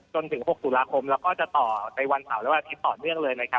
จนถึง๖ตุลาคมแล้วก็จะต่อในวันเสาร์และวันอาทิตย์ต่อเนื่องเลยนะครับ